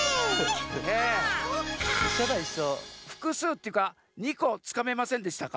ふくすうっていうか２こつかめませんでしたか？